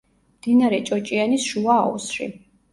მდინარე ჭოჭიანის შუა აუზში.